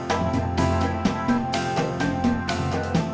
aku mau ke ktm